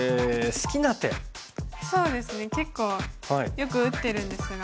そうですね結構よく打ってるんですが。